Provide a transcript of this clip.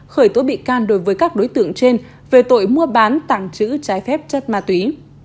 khởi tố bị can đối với các đối tượng trên về tội mua bán tàng trữ trái phép chất ma túy